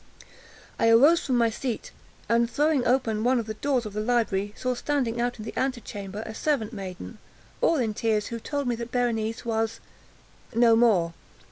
I arose from my seat, and throwing open one of the doors of the library, saw standing out in the ante chamber a servant maiden, all in tears, who told me that Berenice was—no more!